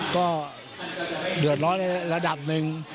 ก็เดือดร้อนระดับนึง